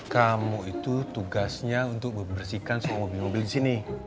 kamu itu tugasnya untuk membersihkan semua mobil mobil di sini